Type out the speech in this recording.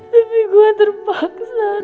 tapi gue terpaksa